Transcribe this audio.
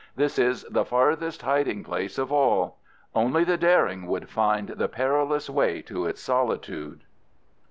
This is the farthest hiding place of all. Only the daring would find the perilous way to its solitude.